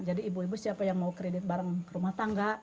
jadi ibu ibu siapa yang mau kredit barang rumah tangga